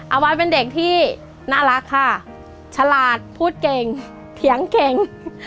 เอาไว้เป็นเด็กที่น่ารักค่ะฉลาดพูดเก่งเถียงเก่ง